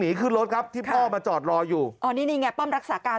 ขึ้นรถครับที่พ่อมาจอดรออยู่อ๋อนี่นี่ไงป้อมรักษาการ